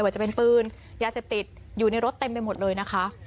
ว่าจะเป็นปืนยาเสพติดอยู่ในรถเต็มไปหมดเลยนะคะ